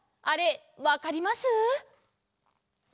あれわかります？